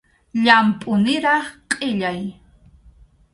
Llampʼu niraq qʼillay.